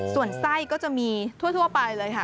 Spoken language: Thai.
ส่วนไส้ก็จะมีทั่วไปเลยค่ะ